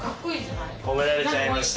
褒められちゃいました。